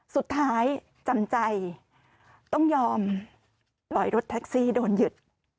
จำใจต้องยอมปล่อยรถแท็กซี่โดนหยุด